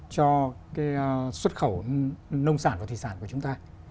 cho xuất khẩu nông sản và thủy sản của chúng ta